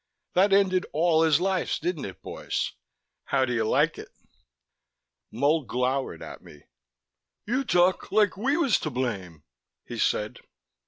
That ended all his lives, didn't it, boys? How do you like it?" Mull glowered at me. "You talk like we was to blame," he said.